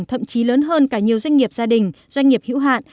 thậm chí lớn hơn cả nhiều doanh nghiệp gia đình doanh nghiệp hữu hạn